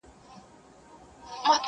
• لېونتوب غواړم چي د کاڼو په ویشتلو ارزي,